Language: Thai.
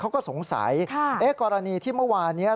เขาก็สงสัยกรณีที่เมื่อวานี้